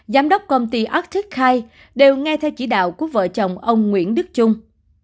giám đốc công ty artic khai đều nghe theo chỉ đạo của vợ chồng ông nguyễn đức trung